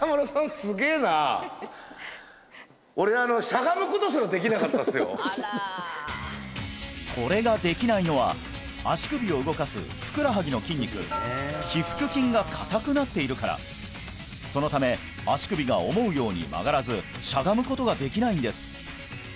すげえな俺これができないのは足首を動かすふくらはぎの筋肉腓腹筋が硬くなっているからそのため足首が思うように曲がらずしゃがむことができないんです